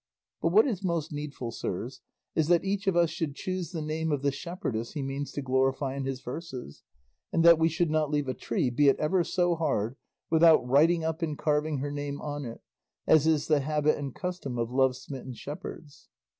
But what is most needful, sirs, is that each of us should choose the name of the shepherdess he means to glorify in his verses, and that we should not leave a tree, be it ever so hard, without writing up and carving her name on it, as is the habit and custom of love smitten shepherds."